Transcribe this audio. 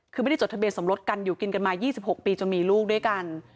คือไม่ได้จดทะเบียนสมรสกันอยู่กินกันมา๒๖ปีจนมีลูกด้วยกัน